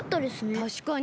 たしかに。